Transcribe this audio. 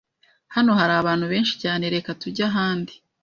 Hano hari abantu benshi cyane. Reka tujye ahandi.